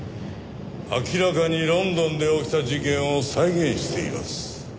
明らかにロンドンで起きた事件を再現しています。